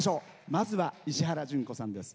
まずは、石原詢子さんです。